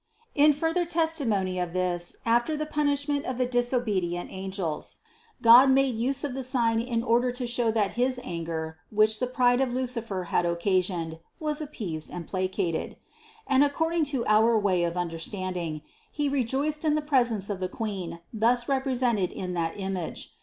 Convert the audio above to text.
96. In further testimony of this, after the punishment of the disobedient angels, God made use of the sign in order to show that his anger, which the pride of Lucifer had occasioned, was appeased and placated. And ac cording to our way of understanding, He rejoiced in the presence of the Queen thus represented in that image.